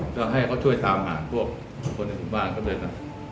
จะให้เขาช่วยทางหาพวกคนเอาผู้บ้านเขาเลยนะ